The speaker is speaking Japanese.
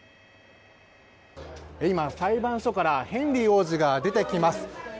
今、裁判所からヘンリー王子が出てきます。